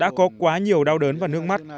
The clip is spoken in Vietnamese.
đã có quá nhiều đau đớn và nước mắt